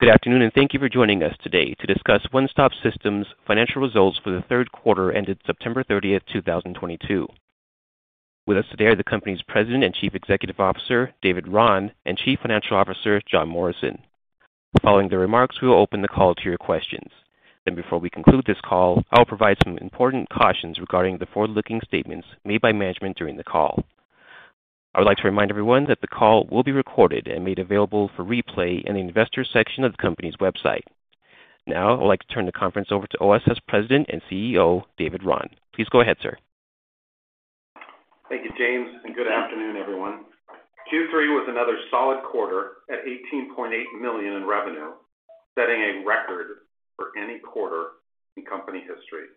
Good afternoon, and thank you for joining us today to discuss One Stop Systems' financial results for the third quarter ended September 30th, 2022. With us today are the company's President and Chief Executive Officer, David Raun, and Chief Financial Officer, John Morrison. Following the remarks, we will open the call to your questions. Before we conclude this call, I will provide some important cautions regarding the forward-looking statements made by management during the call. I would like to remind everyone that the call will be recorded and made available for replay in the Investors section of the company's website. Now, I'd like to turn the conference over to OSS President and CEO, David Raun. Please go ahead, sir. Thank you, James, and good afternoon, everyone. Q3 was another solid quarter at $18.8 million in revenue, setting a record for any quarter in company history.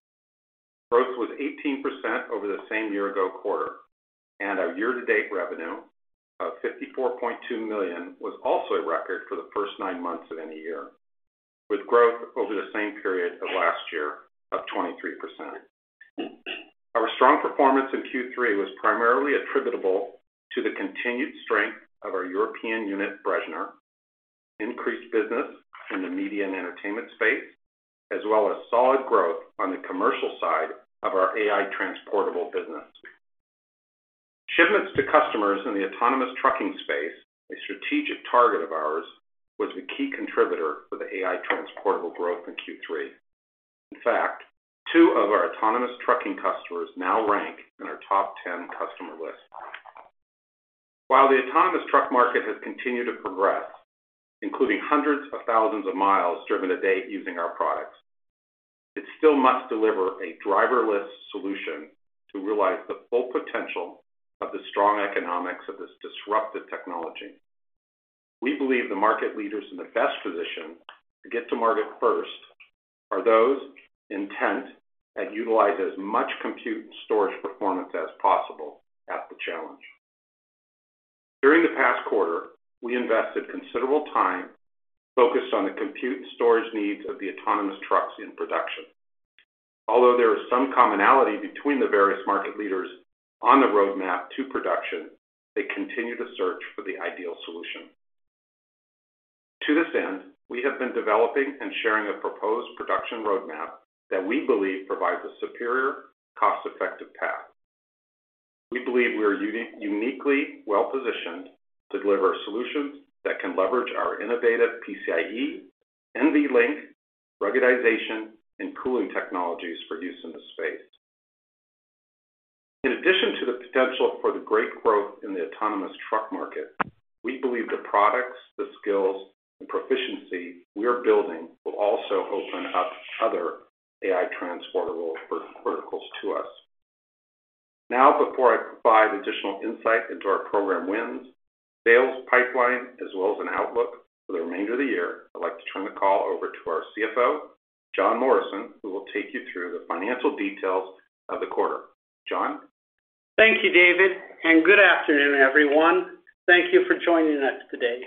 Growth was 18% over the quarter a year-ago, and our year-to-date revenue of $54.2 million was also a record for the first nine months of any year, with growth over the same period of last year of 23%. Our strong performance in Q3 was primarily attributable to the continued strength of our European unit, Bressner, increased business in the media and entertainment space, as well as solid growth on the commercial side of our AI Transportable business. Shipments to customers in the autonomous trucking space, a strategic target of ours, were the key contributor to the AI Transportable growth in Q3. In fact, two of our autonomous trucking customers now rank in our top 10 customer list. While the autonomous truck market has continued to progress, including hundreds of thousands of miles driven a day using our products, it still must deliver a driverless solution to realize the full potential of the strong economics of this disruptive technology. We believe the market leaders in the best position to get to market first are those intended to utilize as much compute and storage performance as possible to tackle the challenge. During the past quarter, we invested considerable time focused on the compute and storage needs of the autonomous trucks in production. Although there is some commonality between the various market leaders on the roadmap to production, they continue to search for the ideal solution. To this end, we have been developing and sharing a proposed production roadmap that we believe provides a superior, cost-effective path. We believe we are uniquely well-positioned to deliver solutions that can leverage our innovative PCIe, NVLink, ruggedization, and cooling technologies for use in this space. In addition to the potential for great growth in the autonomous truck market, we believe the products, skills, and proficiency we are building will also open up other AI Transportable verticals to us. Now, before I provide additional insight into our program wins, sales pipeline, and an outlook for the remainder of the year, I'd like to turn the call over to our CFO, John Morrison, who will take you through the financial details of the quarter. John? Thank you, David, and good afternoon, everyone. Thank you for joining us today.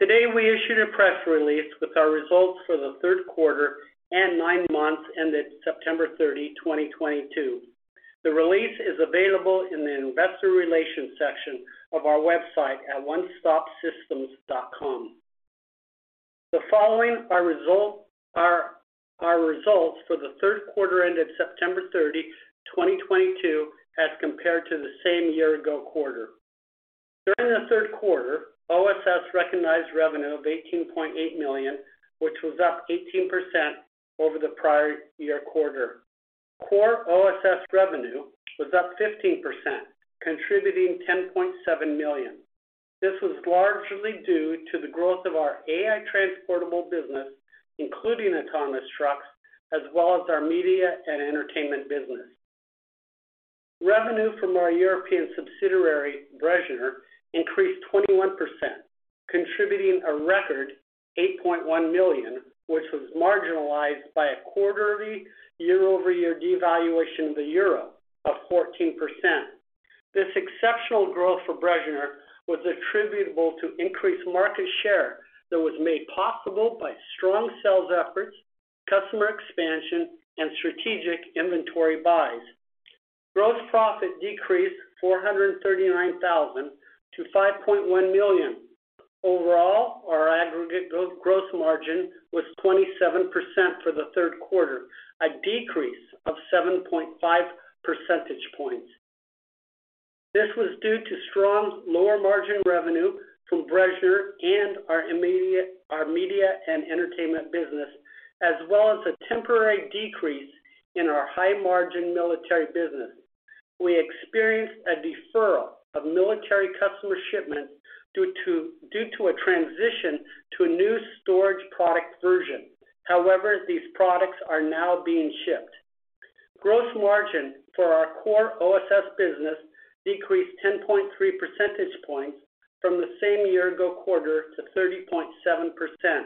Today, we issued a press release with our results for the third quarter and nine months ended September 30, 2022. The release is available in the Investor Relations section of our website at onestopsystems.com. The following are our results for the third quarter ended September 30, 2022, as compared to the same year-ago quarter. During the third quarter, OSS recognized revenue of $18.8 million, which was up 18% over the prior year quarter. Core OSS revenue was up 15%, contributing $10.7 million. This was largely due to the growth of our AI Transportable business, including autonomous trucks, as well as our media and entertainment business. Revenue from our European subsidiary, Bressner, increased 21%, contributing a record $8.1 million, which was marginalized by a quarterly year-over-year devaluation of the euro of 14%. This exceptional growth for Bressner was attributable to increased market share that was made possible by strong sales efforts, customer expansion, and strategic inventory buys. Gross profit decreased $439,000 to $5.1 million. Overall, our aggregate gross margin was 27% for the third quarter, a decrease of 7.5 percentage points. This was due to strong lower-margin revenue from Bressner and our media and entertainment business, as well as a temporary decrease in our high-margin military business. We experienced a deferral of military customer shipments due to a transition to a new storage product version. However, these products are now being shipped. Gross margin for our core OSS business decreased 10.3 percentage points from the same year-ago quarter to 30.7%.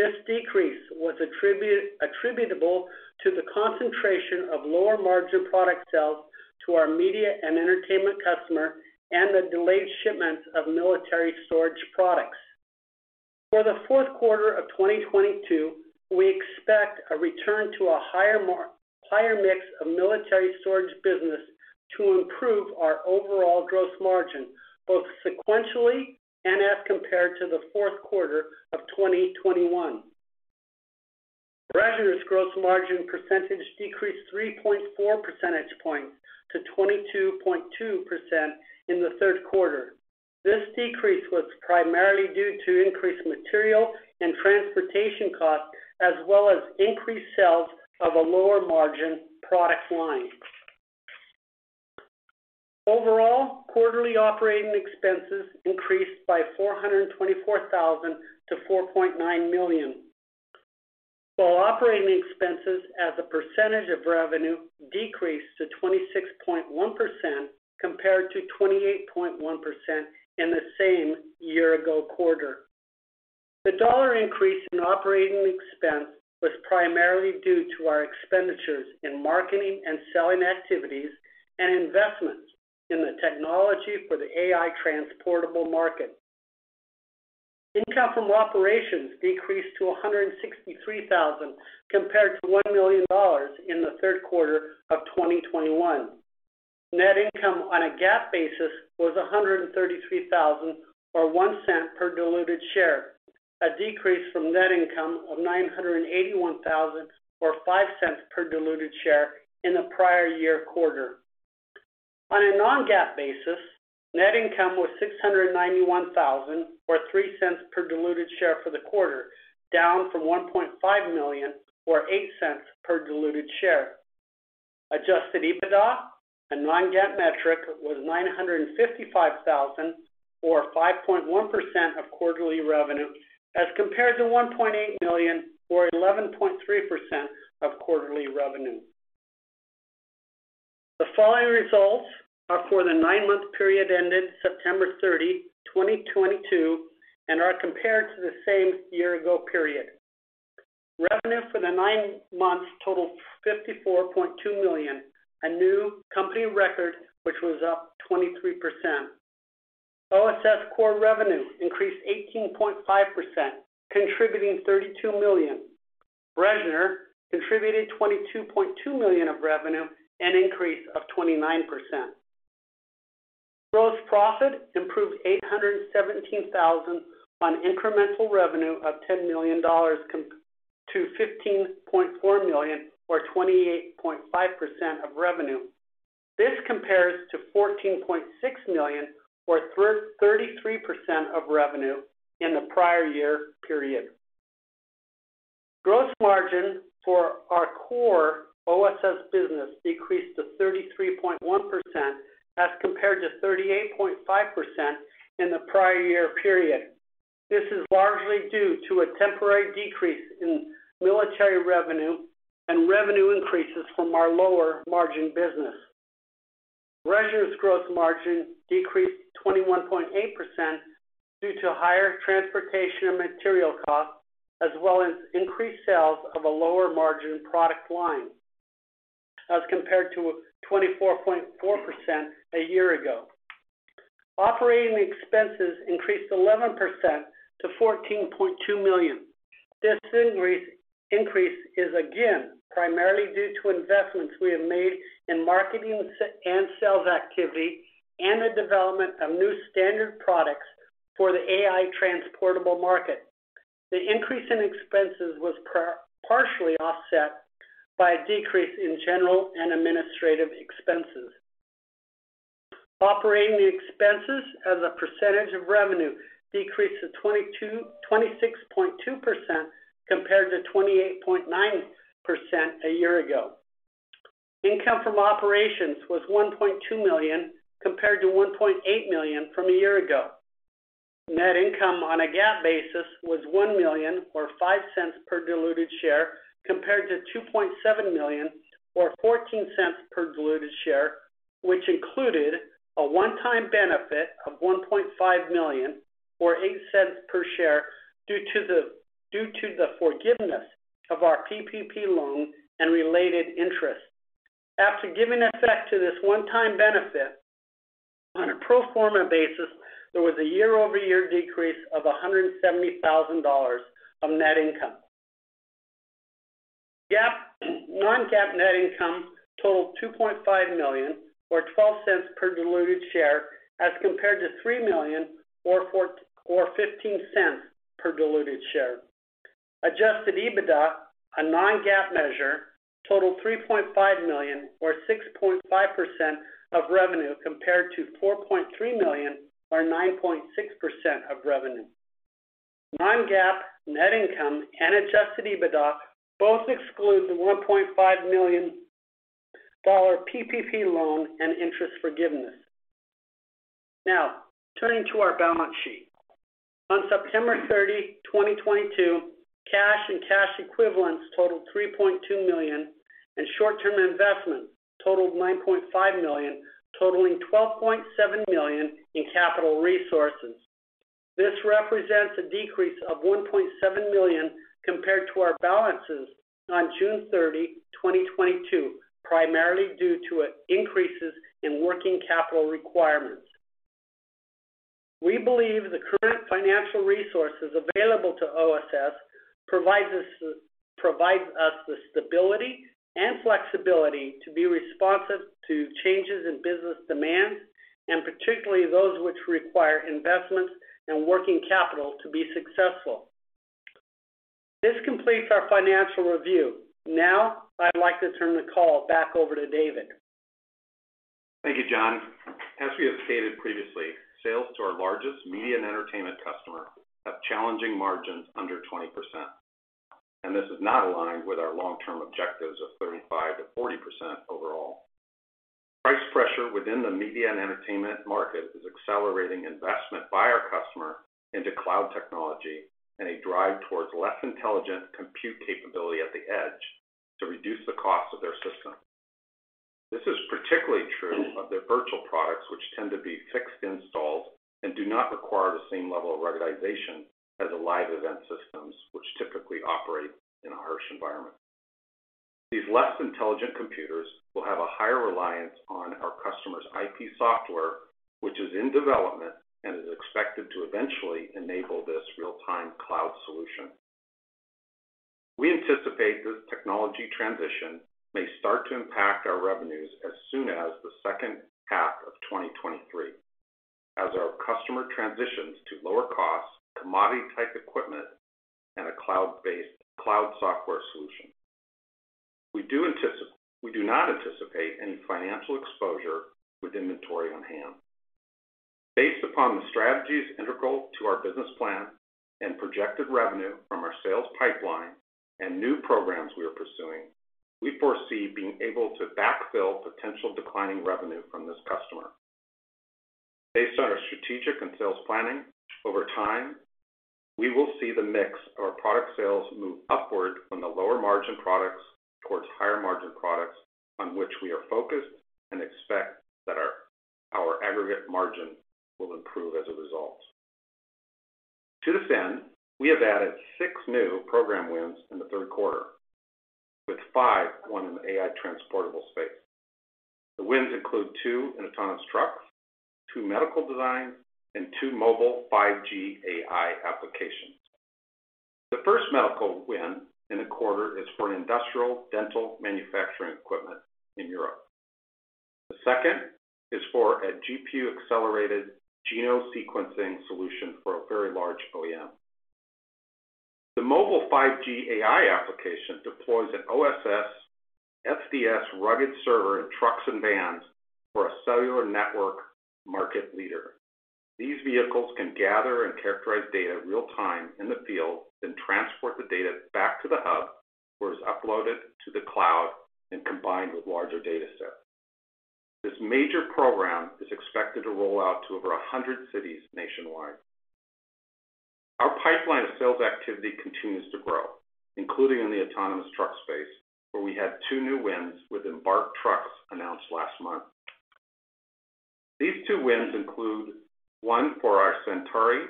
This decrease was attributable to the concentration of lower margin product sales to our media and entertainment customers and the delayed shipments of military storage products. For the fourth quarter of 2022, we expect a return to a higher mix of military storage business to improve our overall gross margin, both sequentially and as compared to the fourth quarter of 2021. Bressner's gross margin percentage decreased 3.4 percentage points to 22.2% in the third quarter. This decrease was primarily due to increased material and transportation costs, as well as increased sales of a lower margin product line. Overall, quarterly operating expenses increased by $424,000 to $4.9 million. While operating expenses as a percentage of revenue decreased to 26.1% compared to 28.1% in the same year-ago quarter. The dollar increase in operating expense was primarily due to our expenditures in marketing and selling activities and investments in technology for the AI Transportable market. Income from operations decreased to $163,000 compared to $1 million in the third quarter of 2021. Net income on a GAAP basis was $133,000 or $0.01 per diluted share, a decrease from net income of $981,000 or $0.05 per diluted share in the prior-year quarter. On a non-GAAP basis, net income was $691,000 or $0.03 per diluted share for the quarter, down from $1.5 million or $0.08 per diluted share. Adjusted EBITDA, a non-GAAP metric, was $955,000 or 5.1% of quarterly revenue as compared to $1.8 million or 11.3% of quarterly revenue. The following results are for the nine-month period ended September 30, 2022, and are compared to the same year-ago period. Revenue for the nine months totaled $54.2 million, a new company record which was up 23%. OSS core revenue increased 18.5%, contributing $32 million. Bressner contributed $22.2 million of revenue, an increase of 29%. Gross profit improved $817,000 on incremental revenue of $10 million to $15.4 million or 28.5% of revenue. This compares to $14.6 million or 33% of revenue in the prior year period. Gross margin for our core OSS business decreased to 33.1% as compared to 38.5% in the prior year period. This is largely due to a temporary decrease in military revenue and revenue increases from our lower margin business. Bressner's gross margin decreased to 21.8% due to higher transportation and material costs, as well as increased sales of a lower margin product line as compared to 24.4% a year-ago. Operating expenses increased 11% to $14.2 million. This increase is again primarily due to investments we have made in marketing and sales activity and the development of new standard products for the AI Transportable market. The increase in expenses was partially offset by a decrease in general and administrative expenses. Operating expenses as a percentage of revenue decreased to 26.2% compared to 28.9% a year-ago. Income from operations was $1.2 million compared to $1.8 million from a year-ago. Net income on a GAAP basis was $1 million or $0.05 per diluted share, compared to $2.7 million or $0.14 per diluted share, which included a one-time benefit of $1.5 million or $0.08 per share due to the forgiveness of our PPP loan and related interest. After giving effect to this one-time benefit, on a pro forma basis, there was a year-over-year decrease of $170,000 of net income. GAAP and non-GAAP net income totaled $2.5 million or $0.12 per diluted share as compared to $3 million or $0.15 per diluted share. Adjusted EBITDA, a non-GAAP measure, totaled $3.5 million or 6.5% of revenue compared to $4.3 million or 9.6% of revenue. Non-GAAP net income and Adjusted EBITDA both exclude the $1.5 million PPP loan and interest forgiveness. Now, turning to our balance sheet. On September 30, 2022, cash and cash equivalents totaled $3.2 million, and short-term investments totaled $9.5 million, totaling $12.7 million in capital resources. This represents a decrease of $1.7 million compared to our balances on June 30, 2022, primarily due to increases in working capital requirements. We believe the current financial resources available to OSS provides us the stability and flexibility to be responsive to changes in business demands, and particularly those which require investments and working capital to be successful. This completes our financial review. Now, I'd like to turn the call back over to David. Thank you, John. As we have stated previously, sales to our largest media and entertainment customer have challenging margins under 20%, and this is not aligned with our long-term objectives of 35%-40% overall. Price pressure within the media and entertainment market is accelerating investment by our customer into cloud technology and a drive towards less intelligent compute capability at the edge to reduce the cost of their system. This is particularly true of their virtual products, which tend to be fixed installs and do not require the same level of ruggedization as the live event systems, which typically operate in a harsh environment. These less intelligent computers will have a higher reliance on our customers' IP software, which is in development and is expected to eventually enable this real-time cloud solution. We anticipate this technology transition may start to impact our revenues as soon as the second half of 2023, as our customer-transitions to lower-cost, commodity-type equipment and a cloud-based cloud software solution. We do not anticipate any financial exposure with inventory on hand. Based upon the strategies integral to our business plan and projected revenue from our sales pipeline and new programs we are pursuing, we foresee being able to backfill potential declining revenue from this customer. Based on our strategic and sales planning over time, we will see the mix of our product sales move upward from the lower-margin products towards higher-margin products on which we are focused and expect that our aggregate margin will improve as a result. To this end, we have added six new program wins in the third quarter, with five won in the AI Transportable space. The wins include two in autonomous trucks, two medical designs, and two mobile 5G AI applications. The first medical win in the quarter is for an industrial dental manufacturing equipment in Europe. The second is for a GPU-accelerated genome sequencing solution for a very large OEM. The mobile 5G AI application deploys an OSS SDS rugged server in trucks and vans for a cellular network market leader. These vehicles can gather and characterize data in real-time in the field, then transport the data back to the hub, where it's uploaded to the cloud and combined with larger data sets. This major program is expected to roll out to over 100 cities nationwide. Our pipeline of sales activity continues to grow, including in the autonomous truck space, where we had two new wins with Embark Trucks announced last month. These two wins include one for our Centauri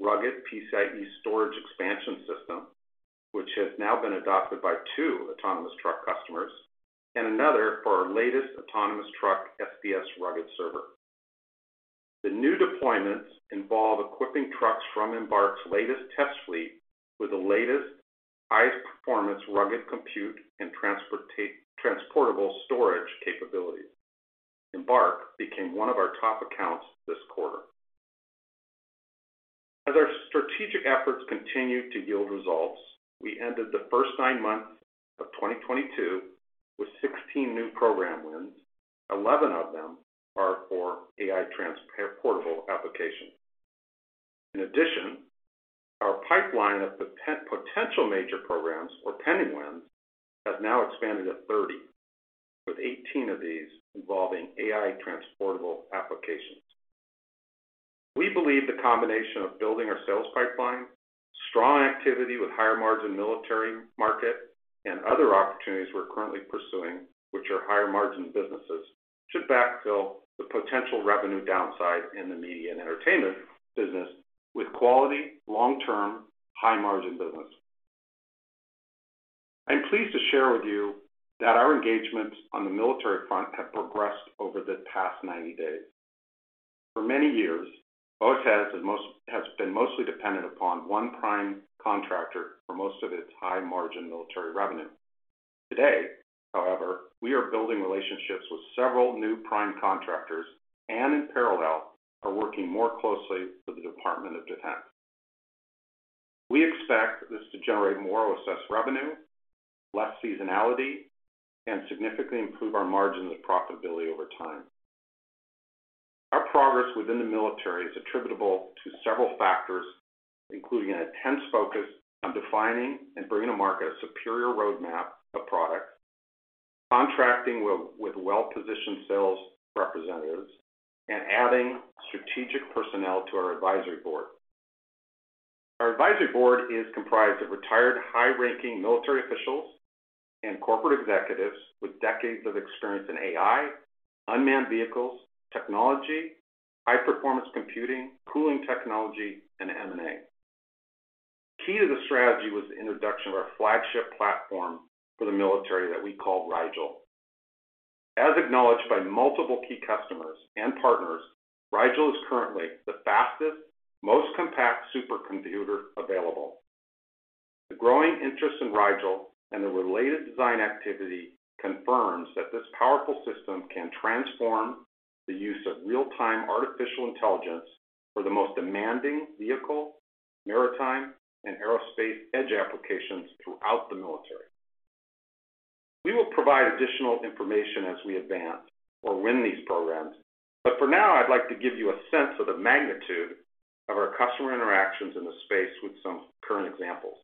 rugged PCIe storage expansion system, which has now been adopted by two autonomous truck customers, and another for our latest autonomous truck SDS rugged server. The new deployments involve equipping trucks from Embark's latest test fleet with the latest, highest-performance rugged compute and transportable storage capabilities. Embark became one of our top accounts this quarter. Our strategic efforts continue to yield results. We ended the first nine months of 2022 with 16 new program wins. Eleven of them are for AI Transportable applications. In addition, our pipeline of potential major programs or pending wins has now expanded to 30, with 18 of these involving AI Transportable applications. We believe the combination of building our sales pipeline, strong activity with higher-margin military market, and other opportunities we're currently pursuing, which are higher-margin businesses, should backfill the potential revenue downside in the media and entertainment business with quality, long-term, high-margin business. I'm pleased to share with you that our engagements on the military front have progressed over the past 90 days. For many years, OSS has been mostly dependent upon one prime contractor for most of its high-margin military revenue. Today, however, we are building relationships with several new prime contractors and, in parallel, are working more closely with the Department of Defense. We expect this to generate more OSS revenue, less seasonality, and significantly improve our margins and profitability over time. Our progress within the military is attributable to several factors, including an intense focus on defining and bringing to market a superior roadmap of products, contracting with well-positioned sales representatives, and adding strategic personnel to our advisory board. Our advisory board is comprised of retired high-ranking military officials and corporate executives with decades of experience in AI, unmanned vehicles, technology, high-performance computing, cooling technology, and M&A. Key to the strategy was the introduction of our flagship platform for the military that we call Rigel. As acknowledged by multiple key customers and partners, Rigel is currently the fastest, most compact supercomputer available. The growing interest in Rigel and the related design activity confirms that this powerful system can transform the use of real-time artificial intelligence for the most demanding vehicle, maritime, and aerospace edge applications throughout the military. We will provide additional information as we advance or win these programs, but for now, I'd like to give you a sense of the magnitude of our customer interactions in the space with some current examples.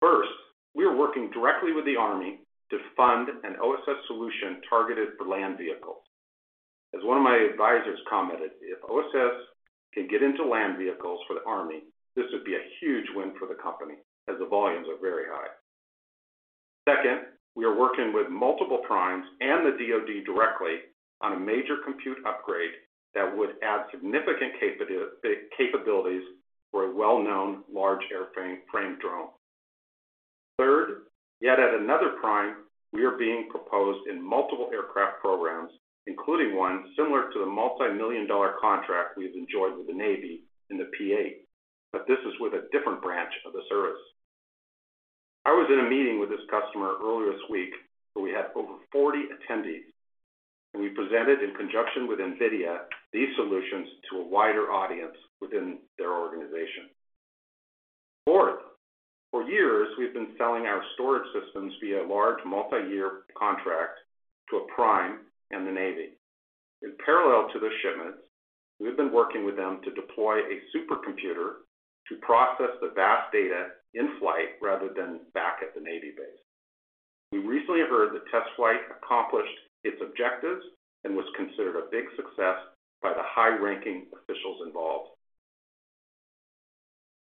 First, we are working directly with the Army to fund an OSS solution targeted for land vehicles. As one of my advisors commented, if OSS can get into land vehicles for the Army, this would be a huge win for the company as the volumes are very high. Second, we are working with multiple primes and the DoD directly on a major compute upgrade that would add significant capabilities for a well-known large airframe drone. Third, yet at another prime, we are being proposed in multiple aircraft programs, including one similar to the multimillion-dollar contract we've enjoyed with the Navy in the P-8, but this is with a different branch of the service. I was in a meeting with this customer earlier this week where we had over 40 attendees, and we presented in conjunction with NVIDIA these solutions to a wider audience within their organization. Fourth, for years, we've been selling our storage systems via large multiyear contracts to a prime and the Navy. In parallel to those shipments, we've been working with them to deploy a supercomputer to process the vast data in flight rather than back at the Navy base. We recently heard the test flight accomplished its objectives and was considered a big success by the high-ranking officials involved.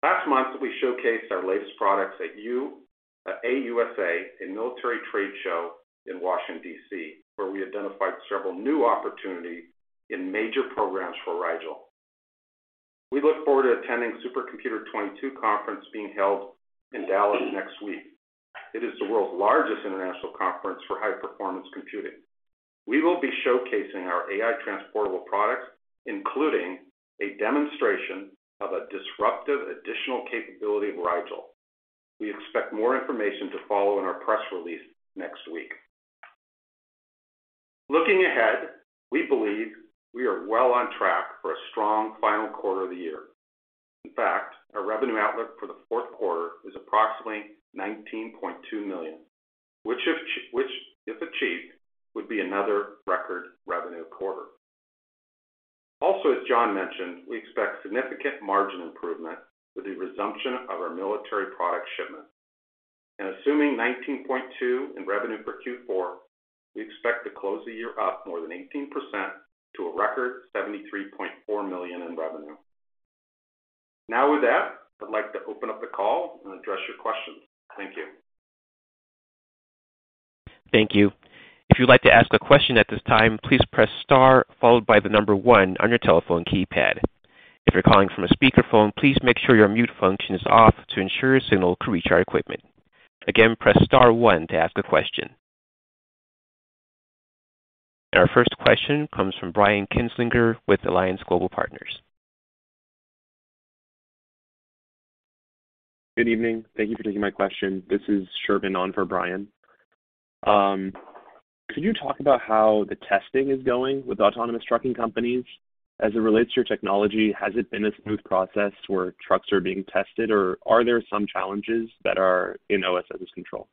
Last month, we showcased our latest products at AUSA, a military trade show in Washington, D.C., where we identified several new opportunities in major programs for Rigel. We look forward to attending SC22 conference being held in Dallas next week. It is the world's largest international conference for high-performance computing. We will be showcasing our AI Transportable products, including a demonstration of a disruptive additional capability of Rigel. We expect more information to follow in our press release next week. Looking ahead, we believe we are well on track for a strong final quarter of the year. In fact, our revenue outlook for the fourth quarter is approximately $19.2 million, which, if achieved, would be another record revenue quarter. Also, as John mentioned, we expect significant margin improvement with the resumption of our military product shipments. Assuming $19.2 million in revenue for Q4, we expect to close the year up more than 18% to a record $73.4 million in revenue. Now, with that, I'd like to open up the call and address your questions. Thank you. Thank you. If you'd like to ask a question at this time, please press star followed by the number one on your telephone keypad. If you're calling from a speakerphone, please make sure your mute function is off to ensure your signal can reach our equipment. Again, press star one to ask a question. Our first question comes from Brian Kinstlinger with Alliance Global Partners. Good evening. Thank you for taking my question. This is Sherman on for Brian. Could you talk about how the testing is going with autonomous trucking companies as it relates to your technology? Has it been a smooth process where trucks are being tested, or are there some challenges that are in OSS's control?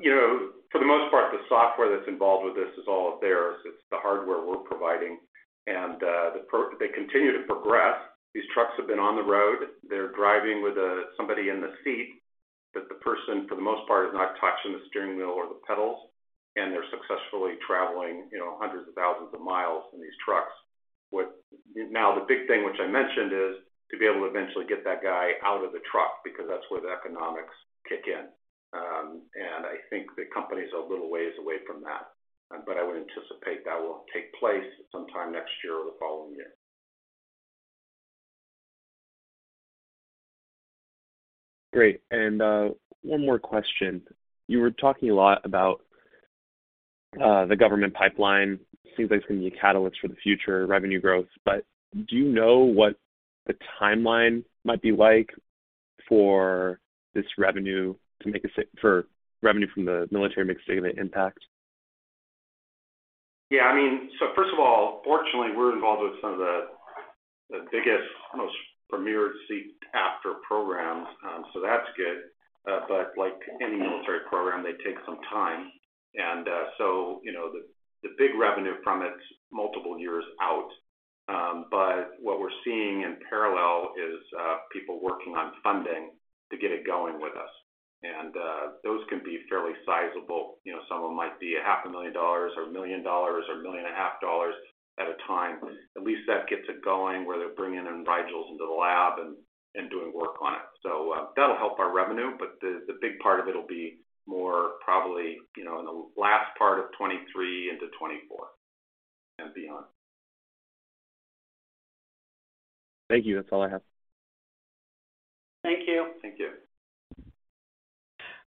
You know, for the most part, the software that's involved with this is all theirs. It's the hardware we're providing. They continue to progress. These trucks have been on the road. They're driving with somebody in the seat, but the person, for the most part, is not touching the steering wheel or the pedals, and they're successfully traveling, you know, hundreds of thousands of miles in these trucks. Now, the big thing, which I mentioned, is to be able to eventually get that guy out of the truck because that's where the economics kick in. I think the company's a little ways away from that, but I would anticipate that it will take place sometime next year or the following year. Great. One more question. You were talking a lot about the government pipeline. Seems like it's gonna be a catalyst for the future revenue growth. Do you know what the timeline might be like for revenue from the military to make a significant impact? Yeah, I mean, first of all, fortunately, we're involved with some of the biggest, most premier sought-after programs. That's good. Like any military program, they take some time. You know, the big revenue from it is multiple years out. What we're seeing in parallel is people working on funding to get it going with us. Those can be fairly sizable. You know, some of them might be half a million dollars or $1 million or $1.5 million at a time. At least that gets it going, where they're bringing in Rigels into the lab and doing work on it. That'll help our revenue, but the big part of it will be more probably, you know, in the last part of 2023 into 2024. Beyond. Thank you. That's all I have. Thank you. Thank you.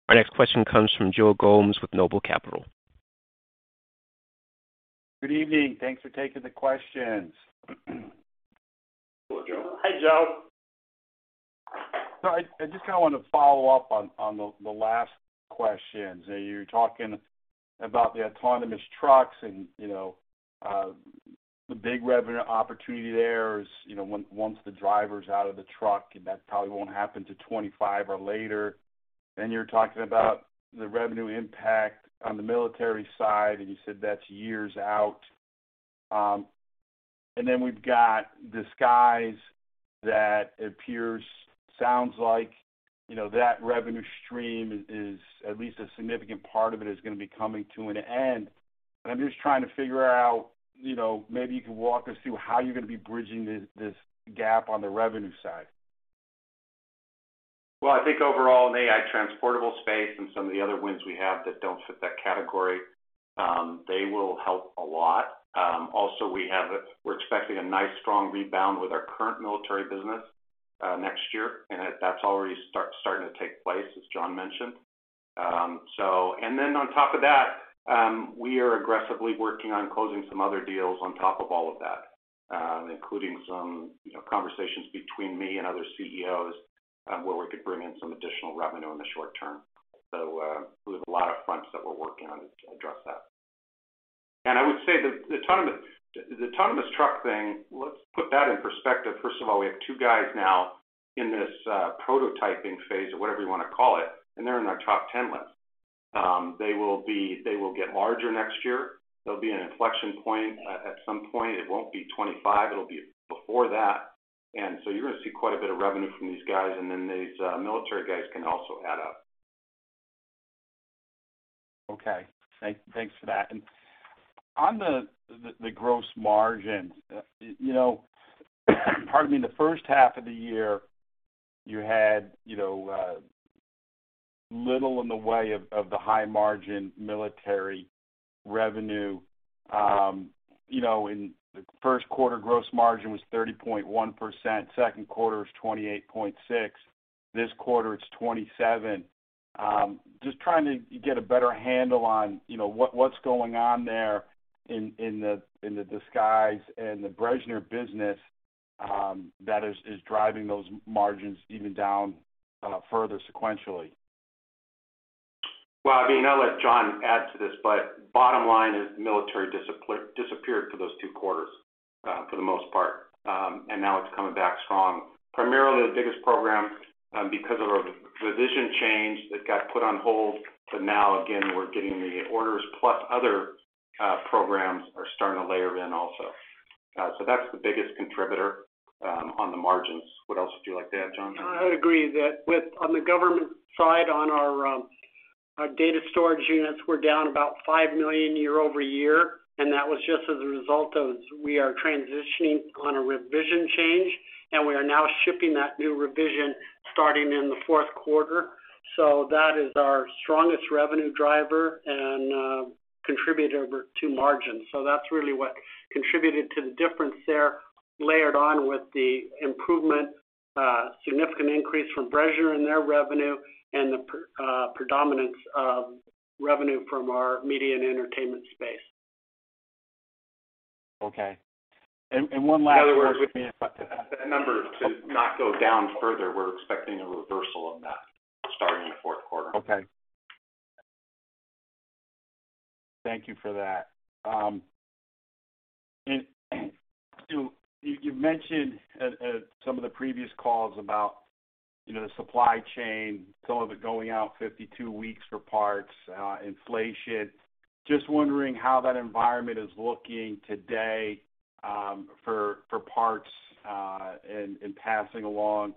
Our next question comes from Joe Gomes with Noble Capital Markets. Good evening. Thanks for taking the questions. Hello, Joe. Hi, Joe. I just kinda wanna follow up on the last questions. You were talking about the autonomous trucks and, you know, the big revenue opportunity there is, you know, once the driver's out of the truck, and that probably won't happen till 2025 or later. You're talking about the revenue impact on the military side, and you said that's years out. We've got a disguise that appear, sounds like, you know, that revenue stream is at least a significant part of it, gonna be coming to an end. I'm just trying to figure out, you know, maybe you can walk us through how you're gonna be bridging this gap on the revenue side. Well, I think overall in AI Transportable space and some of the other wins we have that don't fit that category, they will help a lot. Also, we're expecting a nice, strong rebound with our current military business next year, and that's already starting to take place, as John mentioned. And then on top of that, we are aggressively working on closing some other deals on top of all of that, including some, you know, conversations between me and other CEOs, where we could bring in some additional revenue in the short term. We have a lot of fronts that we're working on to address that. I would say the autonomous truck thing, let's put that in perspective. First of all, we have two guys now in this prototyping phase or whatever you wanna call it, and they're in our top ten list. They will get larger next year. There'll be an inflection point at some point. It won't be 2025, it'll be before that. You're gonna see quite a bit of revenue from these guys, and then these military guys can also add up. Thanks for that. On the gross margins, you know, pardon me. In the first half of the year, you had, you know, little in the way of the high-margin military revenue. You know, in the first quarter, gross margin was 30.1%, second quarter was 28.6%. This quarter, it's 27%. Just trying to get a better handle on, you know, what's going on there in disguise and the Bressner business, that is driving those margins even further down sequentially. Well, I mean, I'll let John add to this, but the bottom line is the military disappeared for those two quarters, for the most part. Now it's coming back strong. Primarily, the biggest program, because of a revision change that got put on hold, but now again, we're getting the orders, plus other programs are starting to layer in also. So that's the biggest contributor, on the margins. What else would you like to add, John? I'd agree with that on the government side, on our data storage units, we're down about $5 million year-over-year, and that was just as a result of we are transitioning on a revision change, and we are now shipping that new revision starting in the fourth quarter. That is our strongest revenue driver and contributor to margins. That's really what contributed to the difference there, layered on with the improvement, a significant increase from Bressner and their revenue and the predominance of revenue from our media and entertainment space. Okay. One last- In other words, for that number to not go down further, we're expecting a reversal of that starting in the fourth quarter. Okay. Thank you for that. You've mentioned at some of the previous calls about, you know, the supply chain, some of it going out 52 weeks for parts, inflation. Just wondering how that environment is looking today, for parts, and passing along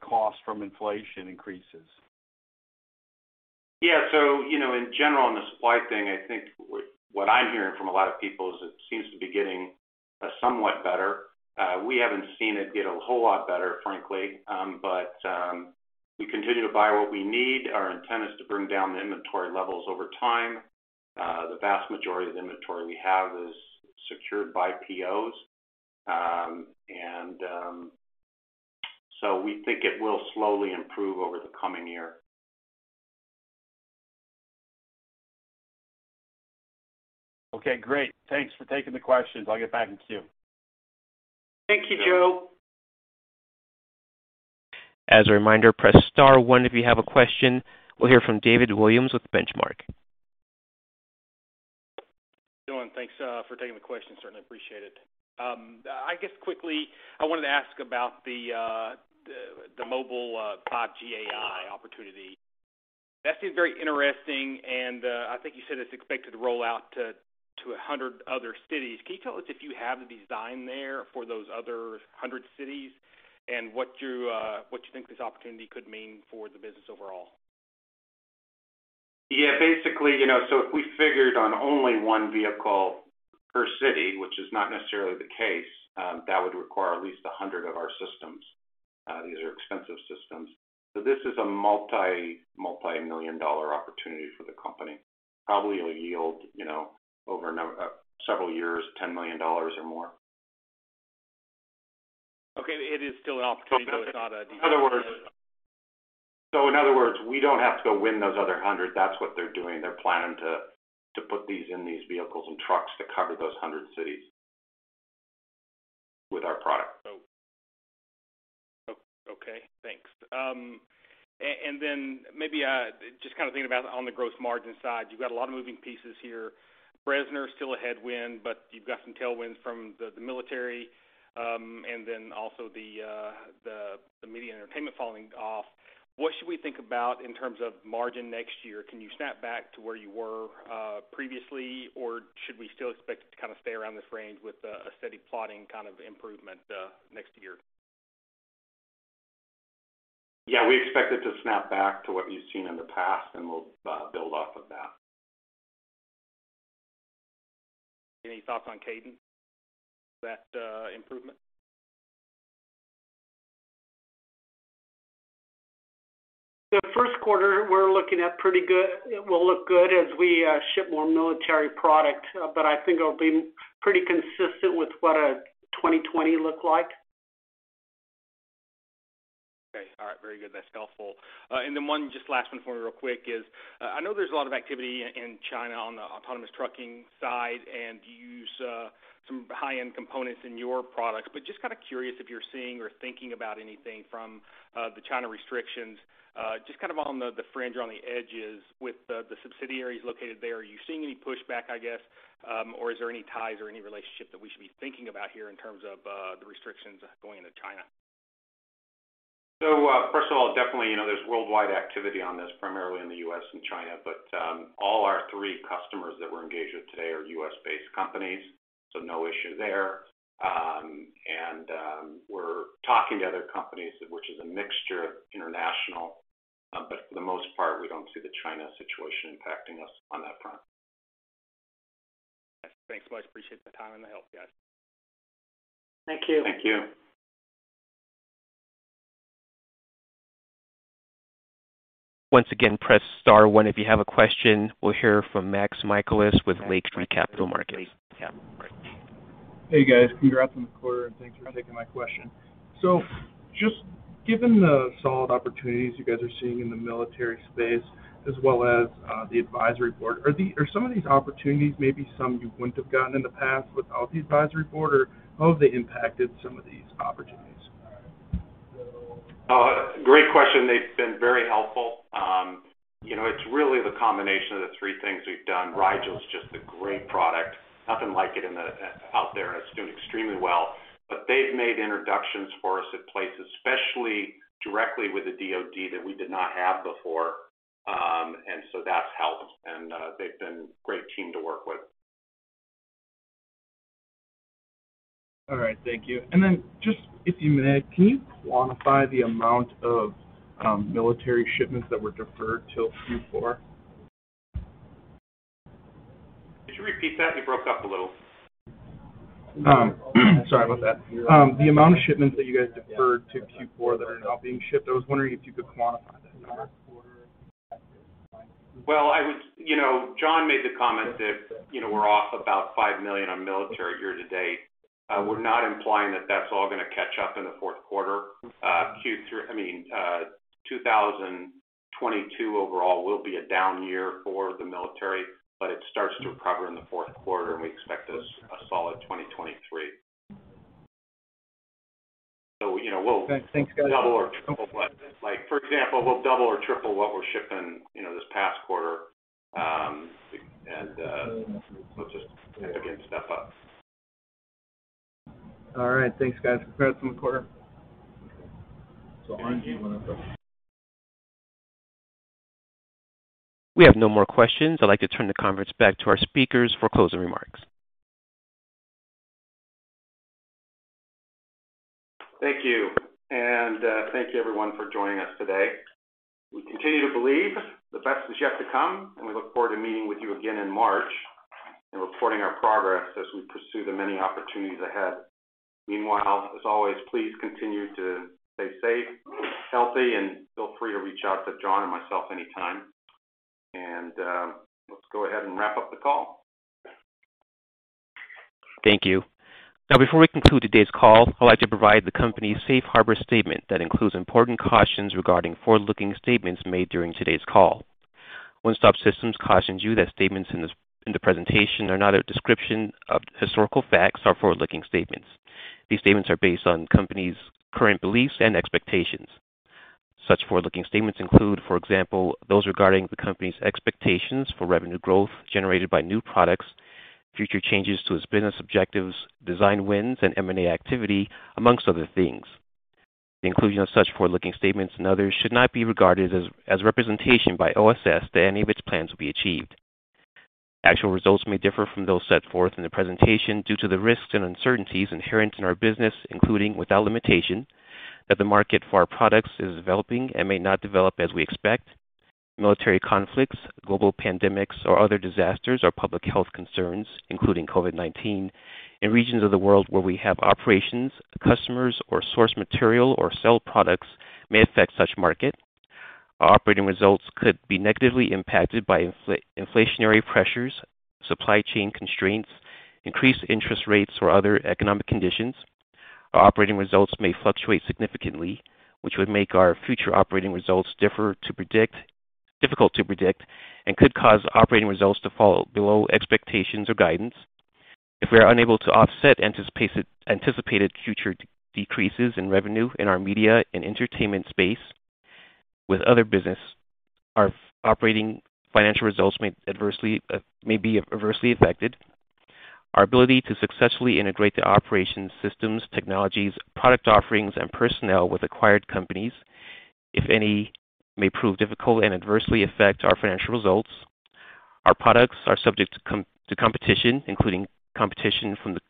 costs from inflation increases. Yeah. You know, in general, on the supply thing, I think what I'm hearing from a lot of people is it seems to be getting somewhat better. We haven't seen it get a whole lot better, frankly. We continue to buy what we need. Our intent is to bring down the inventory levels over time. The vast majority of the inventory we have is secured by POs. We think it will slowly improve over the coming year. Okay, great. Thanks for taking the questions. I'll get back in queue. Thank you, Joe. As a reminder, press star one if you have a question. We'll hear from David Williams with Benchmark. How are you doing? Thanks for taking the question. Certainly appreciate it. I guess quickly I wanted to ask about the mobile 5G AI opportunity. That seems very interesting, and I think you said it's expected to roll out to 100 other cities. Can you tell us if you have the design there for those other 100 cities and what you think this opportunity could mean for the business overall? Yeah, basically, you know, if we figured on only one vehicle per city. Which is not necessarily the case. That would require at least 100 of our systems. These are expensive systems. This is a multi-million dollar opportunity for the company. Probably it'll yield, you know, over several years, $10 million or more. Okay. It is still an opportunity, though. In other words, we don't have to go win those other 100. That's what they're doing. They're planning to put these in these vehicles and trucks to cover those 100 cities with our product. Okay, thanks. Maybe just kind of thinking about on the gross margin side, you've got a lot of moving pieces here. Bressner is still a headwind, but you've got some tailwinds from the military and then also the media and entertainment falling off. What should we think about in terms of margin next year? Can you snap back to where you were previously? Or should we still expect it to kind of stay around this range with a steady plodding kind of improvement next year? Yeah, we expect it to snap back to what you've seen in the past, and we'll build off of that. Any thoughts on cadence for that, improvement? The first quarter we're looking at pretty good. It will look good as we ship more military product, but I think it'll be pretty consistent with what 2020 looked like. Okay. All right, very good. That's helpful. One, just last one for me real quick is, I know there's a lot of activity in China on the autonomous trucking side, and you use some high-end components in your products. But just kind of curious if you're seeing or thinking about anything from the China restrictions, just kind of on the fringe or on the edges with the subsidiaries located there. Are you seeing any pushback, I guess, or is there any ties or any relationship that we should be thinking about here in terms of the restrictions going into China? First of all, definitely, you know, there's worldwide activity on this, primarily in the U.S. and China, but all our three customers that we're engaged with today are U.S.-based companies, so no issue there. We're talking to other companies which is a mixture of international. For the most part, we don't see the China situation impacting us on that front. Thanks so much. Appreciate the time and the help, guys. Thank you. Thank you. Once again, press star one if you have a question. We'll hear from Max Michaelis with Lake Street Capital Markets. Hey, guys. Congrats on the quarter, and thanks for taking my question. Just given the solid opportunities you guys are seeing in the military space as well as, the advisory board, are some of these opportunities maybe some you wouldn't have gotten in the past without the advisory board, or how have they impacted some of these opportunities? Great question. They've been very helpful. You know, it's really the combination of the three things we've done. Rigel is just a great product. Nothing like it out there, and it's doing extremely well. They've made introductions for us at places, especially directly with the DoD that we did not have before. That's helped. They've been a great team to work with. All right, thank you. Just if you may, can you quantify the amount of military shipments that were deferred till Q4? Could you repeat that? You broke up a little. Sorry about that. The amount of shipments that you guys deferred to Q4 that are now being shipped, I was wondering if you could quantify that number? You know, John made the comment that, you know, we're off about $5 million on military year to-date. We're not implying that that's all gonna catch up in the fourth quarter. 2022 overall will be a down year for the military, but it starts to recover in the fourth quarter, and we expect a solid 2023. You know, we'll- Thanks. Thanks, guys. Double or triple. Like, for example, we'll double or triple what we're shipping, you know, this past quarter. We'll just again step up. All right. Thanks, guys. Congrats on the quarter. We have no more questions. I'd like to turn the conference back to our speakers for closing remarks. Thank you. Thank you everyone for joining us today. We continue to believe the best is yet to come, and we look forward to meeting with you again in March and reporting our progress as we pursue the many opportunities ahead. Meanwhile, as always, please continue to stay safe, healthy, and feel free to reach out to John and myself anytime. Let's go ahead and wrap up the call. Thank you. Now, before we conclude today's call, I'd like to provide the company's Safe Harbor statement that includes important cautions regarding forward-looking statements made during today's call. One Stop Systems cautions you that statements in the presentation are not a description of historical facts or forward-looking statements. These statements are based on company's current beliefs and expectations. Such forward-looking statements include, for example, those regarding the company's expectations for revenue growth generated by new products, future changes to its business objectives, design wins, and M&A activity, among other things. The inclusion of such forward-looking statements and others should not be regarded as representation by OSS that any of its plans will be achieved. Actual results may differ from those set forth in the presentation due to the risks and uncertainties inherent in our business, including, without limitation, that the market for our products is developing and may not develop as we expect. Military conflicts, global pandemics, or other disasters or public health concerns, including COVID-19, in regions of the world where we have operations, customers or source material or sell products may affect such market. Our operating results could be negatively impacted by inflationary pressures, supply chain constraints, increased interest rates or other economic conditions. Our operating results may fluctuate significantly, which would make our future operating results difficult to predict and could cause operating results to fall below expectations or guidance. If we are unable to offset anticipated future decreases in revenue in our media and entertainment space with other business, our operating financial results may be adversely affected. Our ability to successfully integrate the operations, systems, technologies, product offerings and personnel with acquired companies, if any, may prove difficult and adversely affect our financial results. Our products are subject to competition, including competition from the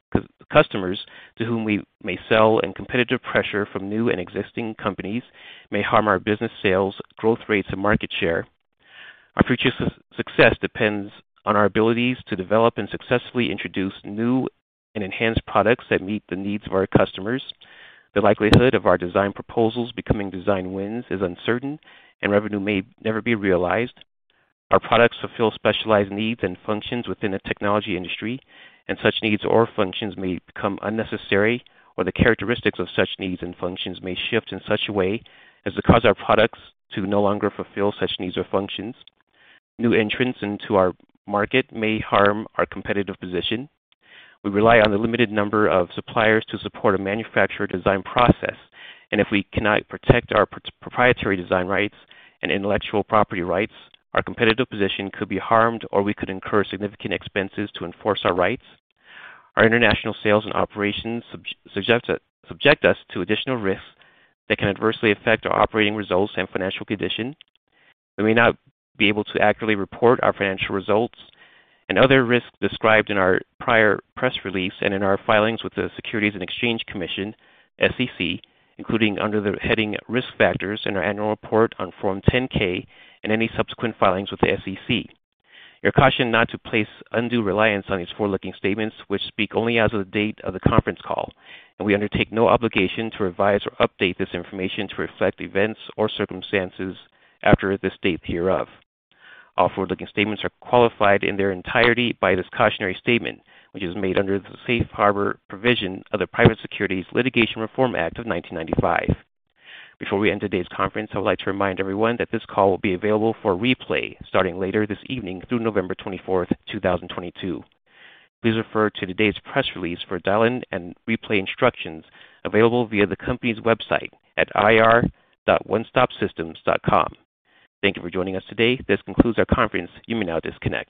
customers to whom we may sell, and competitive pressure from new and existing companies may harm our business sales, growth rates and market share. Our future success depends on our abilities to develop and successfully introduce new and enhanced products that meet the needs of our customers. The likelihood of our design proposals becoming design wins is uncertain, and revenue may never be realized. Our products fulfill specialized needs and functions within the technology industry, and such needs or functions may become unnecessary, or the characteristics of such needs and functions may shift in such a way as to cause our products to no longer fulfill such needs or functions. New entrants into our market may harm our competitive position. We rely on a limited number of suppliers to support a manufacturing design process, and if we cannot protect our proprietary design rights and intellectual property rights, our competitive position could be harmed, or we could incur significant expenses to enforce our rights. Our international sales and operations subject us to additional risks that can adversely affect our operating results and financial condition. We may not be able to accurately report our financial results and other risks described in our prior press release and in our filings with the Securities and Exchange Commission SEC, including under the heading Risk Factors in our annual report on Form 10-K, and any subsequent filings with the SEC. You are cautioned not to place undue reliance on these forward-looking statements, which speak only as of the date of the conference call, and we undertake no obligation to revise or update this information to reflect events or circumstances after this date hereof. All forward-looking statements are qualified in their entirety by this cautionary statement, which is made under the Safe Harbor provision of the Private Securities Litigation Reform Act of 1995. Before we end today's conference, I would like to remind everyone that this call will be available for replay starting later this evening through November 24, 2022. Please refer to today's press release for dial-in and replay instructions available via the company's website at ir.onestopsystems.com. Thank you for joining us today. This concludes our conference. You may now disconnect.